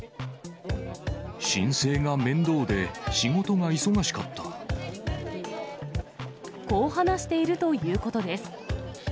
申請が面倒で、仕事が忙しかこう話しているということです。